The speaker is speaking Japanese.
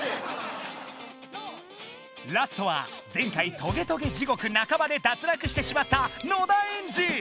ラストは前回トゲトゲ地獄なかばで脱落してしまった野田エンジ！